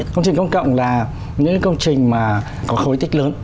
công trình công cộng là những công trình mà có khối tích lớn